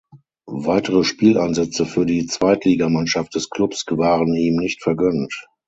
Weitere Spieleinsätze für die Zweitligamannschaft des Klubs waren ihm nicht vergönnt.